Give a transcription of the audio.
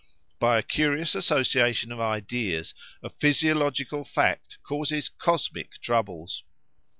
By a curious association of ideas a physiological fact causes cosmic troubles!"